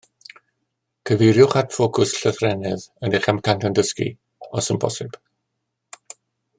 Cyfeiriwch at ffocws llythrennedd yn eich amcanion dysgu os yn bosibl